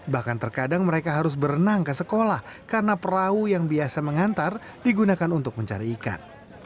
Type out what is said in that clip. bahkan terkadang mereka harus berenang ke sekolah karena perahu yang biasa mengantar digunakan untuk mencari ikan